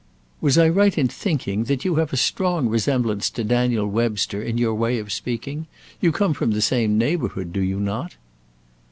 "Was I right in thinking that you have a strong resemblance to Daniel Webster in your way of speaking? You come from the same neighbourhood, do you not?"